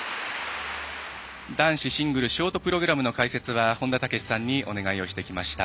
男子シングルショートプログラムの解説は本田武史さんにお願いをしてきました。